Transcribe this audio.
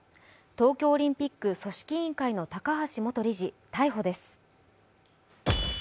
東京オリンピック組織委員会の高橋元理事、逮捕です。